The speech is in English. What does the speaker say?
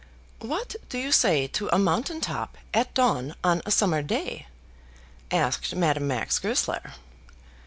"What do you say to a mountain top at dawn on a summer day?" asked Madame Max Goesler.